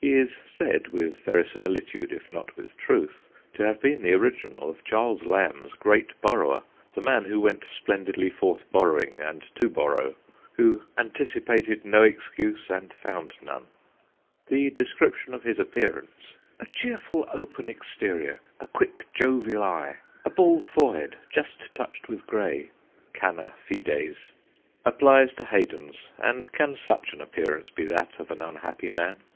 He is said, with verisimilitude, if not with truth, to have been the original of Charles Lamb's great borrower, the man who went splendidly forth borrowing and to borrow, who ' antici pated no excuse and found none.' The GLOUCESTER HOUSE 241 description of his appearance ' a cheerful, open exterior, a quick, jovial eye, a bald forehead, just touched with grey (cana fides) ' applies to Haydon's, and can such an appearance be that of an unhappy man